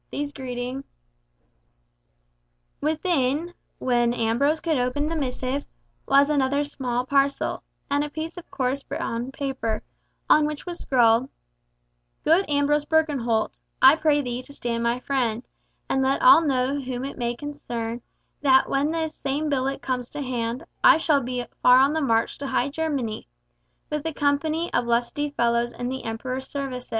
These greeting—" Within, when Ambrose could open the missive, was another small parcel, and a piece of brown coarse paper, on which was scrawled— "Good Ambrose Birkenholt,—I pray thee to stand my friend, and let all know whom it may concern, that when this same billet comes to hand, I shall be far on the march to High Germany, with a company of lusty fellows in the Emperor's service.